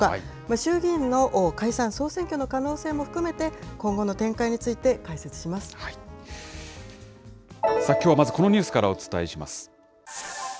衆議院の解散・総選挙の可能性も含めて今後の展開について解説しきょうはまず、このニュースからお伝えします。